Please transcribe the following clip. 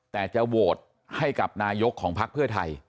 แต่จะโหวตให้กับนายกของพักเพื่อไทย